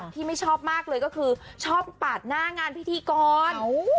ที่ไม่ชอบมากเลยก็คือชอบปาดหน้างานพิธีกร